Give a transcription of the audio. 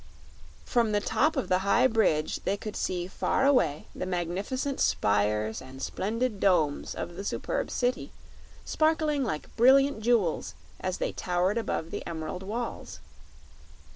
From the top of the high bridge they could see far away the magnificent spires and splendid domes of the superb city, sparkling like brilliant jewels as they towered above the emerald walls.